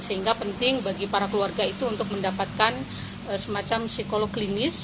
sehingga penting bagi para keluarga itu untuk mendapatkan semacam psikolog klinis